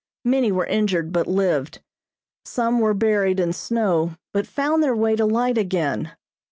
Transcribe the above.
Many were injured but lived. Some were buried in snow but found their way to light again.